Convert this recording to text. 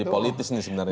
jadi politis nih sebenarnya